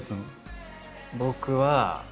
僕は。